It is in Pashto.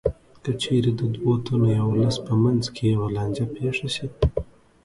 که چېرې د دوو تنو یا ولس په منځ کې یوه لانجه پېښه شي